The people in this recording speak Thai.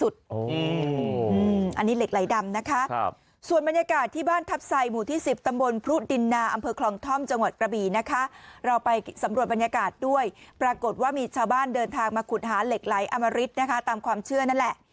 ที่บ้านทัพไส่หมู่ที่๑๐ตำบลพรุธดินนาอำเภอคลองท่อมจังหวัดกระบีเราไปสำรวจบรรยากาศด้วยปรากฏว่ามีชาวบ้านเดินทางมาขุดหาเหล็กไหล่อมริตตามความเชื่อนั่นแหละ